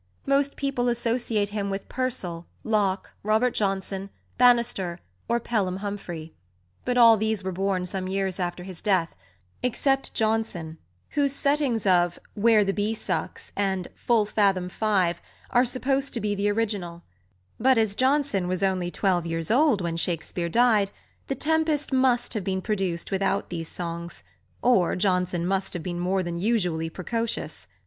Most people associate him with Purcell, Locke, Robert Johnson, Bannister, or Pelham Humphrey; but all these were born some years after his death, except Johnson, whose settings of "Where the Bee Sucks" and "Full Fathom Five" are supposed to be the original; but, as Johnson was only twelve years old when Shakespeare died, The Tempest must have been produced without these songs, or Johnson must have been more than usually {xii} precocious.